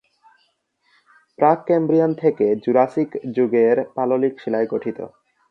প্রাক-ক্যাম্ব্রিয়ান থেকে জুরাসিক যুগের পাললিক শিলায় গঠিত।